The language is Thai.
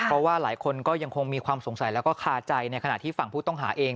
เพราะว่าหลายคนก็ยังคงมีความสงสัยแล้วก็คาใจในขณะที่ฝั่งผู้ต้องหาเอง